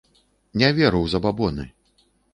Не вер у забабоны.